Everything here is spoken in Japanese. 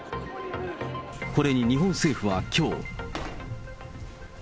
これに日本政府はきょう。